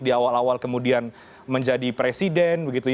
di awal awal kemudian menjadi presiden